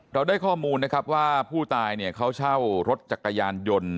เราได้ข้อมูลนะครับว่าผู้ตายเนี่ยเขาเช่ารถจักรยานยนต์